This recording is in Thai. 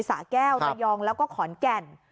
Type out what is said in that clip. สาแก้วระยองแล้วก็ขอนแก่น